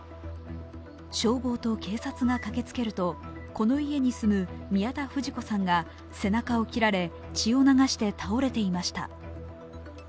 消防と警察が駆けつけるとこの家に住む宮田富士子さんが背中を切られ血を流して倒れていました。